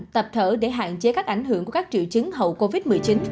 tập thở để hạn chế các ảnh hưởng của các triệu chứng hậu covid một mươi chín